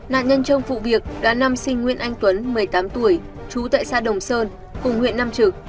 nạn nhân trong vụ việc đã năm sinh nguyên anh tuấn một mươi tám tuổi chú tại xã đồng sơn cùng huyện nam trực